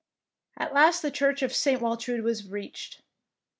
At last the church of St. Wal trude was reached.